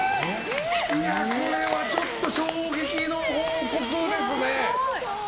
ちょっと衝撃の報告ですね。